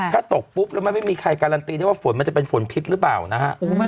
ถ้าตกปุ๊บแล้วมันไม่มีใครการันตีได้ว่าฝนมันจะเป็นฝนพิษหรือเปล่านะฮะ